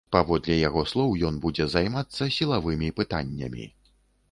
Паводле яго слоў, ён будзе займацца сілавымі пытаннямі.